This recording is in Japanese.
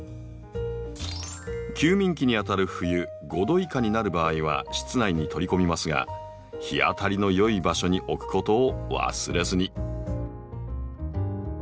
休眠期にあたる冬５℃以下になる場合は室内に取り込みますが日当たりの良い場所に置くことを忘れずに。